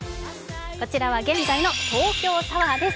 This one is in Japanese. こちらは現在の東京タワーです。